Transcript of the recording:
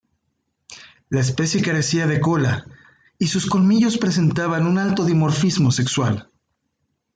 La especie carecía de cola y sus colmillos presentaban un alto dimorfismo sexual.